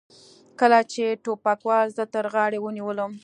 کله چې ټوپکوال زه تر غاړې ونیولم.